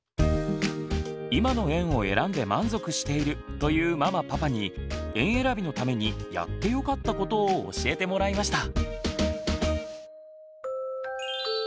「今の園を選んで満足している」というママパパに園えらびのために「やってよかったこと」を教えてもらいました。